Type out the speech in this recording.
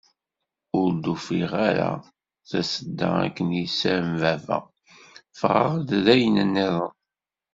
Ur d-ffiɣeɣ ara d tasedda akken i yessirem baba, ffɣeɣ-d d ayen-niḍen.